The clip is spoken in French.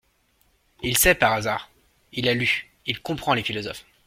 Il sait, par hasard ! Il a lu ; il comprend les philosophes.